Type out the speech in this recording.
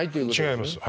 違います。